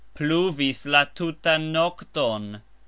Pluvis la tutan nokton.